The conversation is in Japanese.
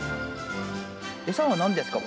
エサは何ですか？